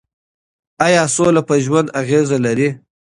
ایا سوله په ژوند اغېز لري؟